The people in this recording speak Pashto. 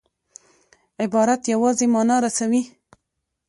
عبارت یوازي مانا رسوي.